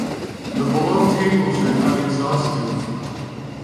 The below tables are not exhaustive.